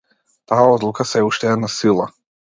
Таа одлука сѐ уште е на сила.